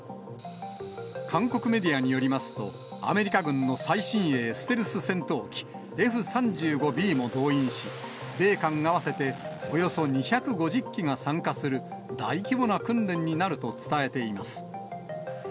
韓国メディアによりますと、アメリカ軍の最新鋭ステルス戦闘機Ｆ３５Ｂも動員し、米韓合わせておよそ２５０機が参加する大規模な訓練になると伝えています。